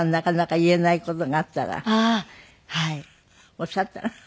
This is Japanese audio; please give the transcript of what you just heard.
おっしゃったら？